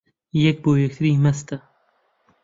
یەک بۆ یەکتری مەستە